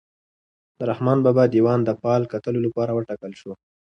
د رحمان بابا دیوان د فال کتلو لپاره وټاکل شو.